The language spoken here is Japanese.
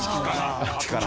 「力」！